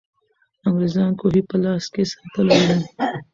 انګریزان کوهي په لاس کې ساتلې وو.